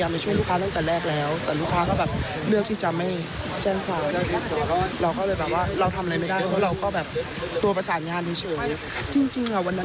มันไม่ใช่เรื่องจริงป่าวค่ะ